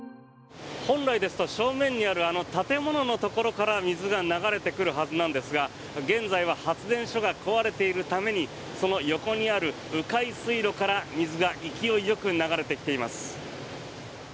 本来ですと、正面にあるあの建物のところから水が流れてくるはずなんですが現在は発電所が壊れているためにその横にある迂回水路から水が勢いよく流れてきています。